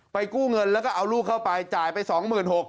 กู้เงินแล้วก็เอาลูกเข้าไปจ่ายไป๒๖๐๐